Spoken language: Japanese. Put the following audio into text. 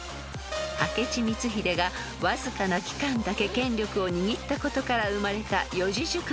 ［明智光秀がわずかな期間だけ権力を握ったことから生まれた四字熟語］